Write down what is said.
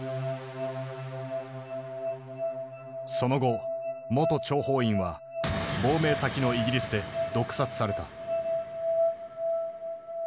その後元諜報員は亡命先のイギリスで毒殺された。